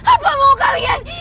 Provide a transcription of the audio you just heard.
apa mau kalian